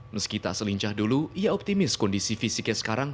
meski tak selincah dulu ia optimis kondisi fisiknya sekarang